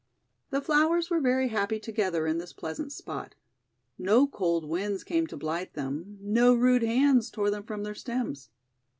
The flowers were very happy together in this pleasant spot. No cold winds came to blight them, no rude hands tore them from their stems.